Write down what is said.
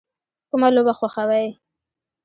کومه لوبه خوښوئ؟